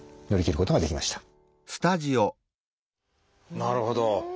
なるほど。